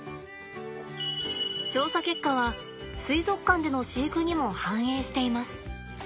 調査結果は水族館での飼育にも反映しています。